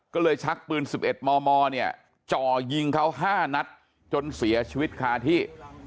ก็เลยชักปืน๑๑มมเนี่ยจ่อยิงเขา๕นัดจนเสียชีวิตคาที่